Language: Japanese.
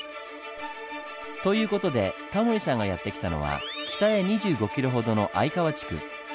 という事でタモリさんがやって来たのは北へ２５ｋｍほどの相川地区。